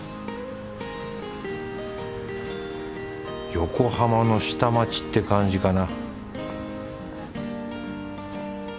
横浜の下町って感じかな